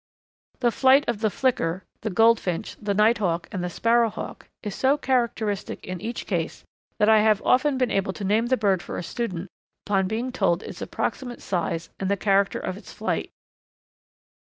The flight of the Flicker, the Goldfinch, the Nighthawk, and the Sparrow Hawk, is so characteristic in each case that I have often been able to name the bird for a student upon being told its approximate size and the character of its flight.